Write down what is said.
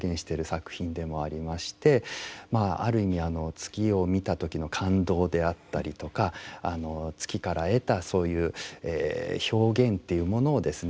まあある意味月を見た時の感動であったりとか月から得たそういう表現というものをですね